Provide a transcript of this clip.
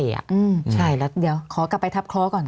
อืมใช่แล้วเดี๋ยวขอกลับไปทับคล้อก่อน